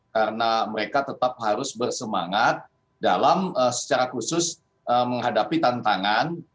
karena mereka tetap harus bersemangat dalam secara khusus menghadapi tantangan